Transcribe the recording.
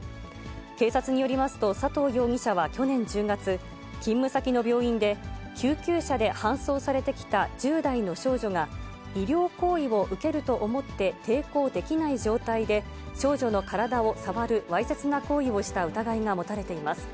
警察によりますと、佐藤容疑者は去年１０月、勤務先の病院で、救急車で搬送されてきた１０代の少女が、医療行為を受けると思って抵抗できない状態で、少女の体を触るわいせつな行為をした疑いが持たれています。